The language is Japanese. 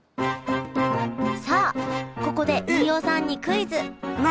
さあここで飯尾さんにクイズ何！？